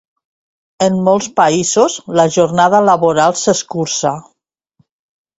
En molts països, la jornada laboral s’escurça.